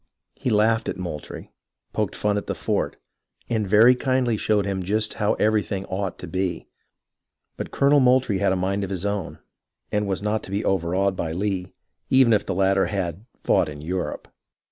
He laughed at Moultrie, poked fun at the fort, and very kindly showed him just how everything ought to be; but Colonel Moultrie had a mind of his own, and was not to be overawed by Lee, even if the latter had fought in Europe.